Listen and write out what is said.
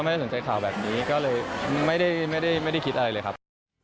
ไม่ได้สนใจข่าวแบบนี้ก็เลยไม่ได้คิดอะไรเลยครับ